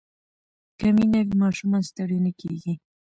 که مینه وي ماشومان ستړي نه کېږي.